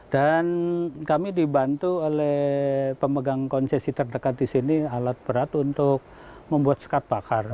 dan kami dibantu oleh pemegang konsesi terdekat di sini alat berat untuk membuat sekat bakar